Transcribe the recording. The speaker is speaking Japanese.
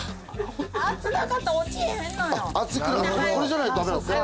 これじゃないと駄目なんすか！？